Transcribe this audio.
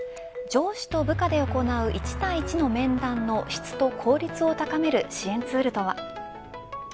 上司と部下で行う一対一の面談の質と効率を高める支援ツールとは。